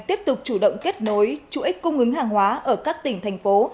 tiếp tục chủ động kết nối chuỗi cung ứng hàng hóa ở các tỉnh thành phố